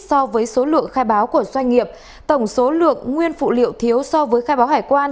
so với số lượng khai báo của doanh nghiệp tổng số lượng nguyên phụ liệu thiếu so với khai báo hải quan